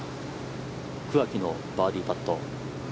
桑木のバーディーパット。